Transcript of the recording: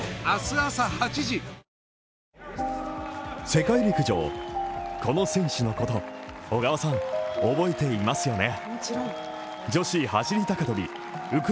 世界陸上、この選手のこと小川さん、覚えていますよね？